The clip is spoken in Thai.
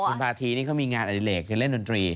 คุณพาธีนี่เขามีงานอดิเลกคือเล่นดนตรี